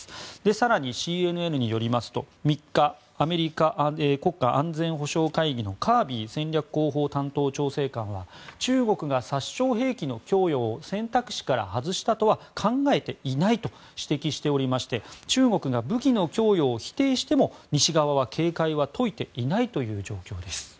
更に、ＣＮＮによりますと３日アメリカ国家安全保障会議のカービー戦略広報担当調整官は中国が殺傷兵器の供与を選択肢から外したとは考えていないと指摘しておりまして中国が武器の供与を否定しても、西側は警戒は解いていないという状況です。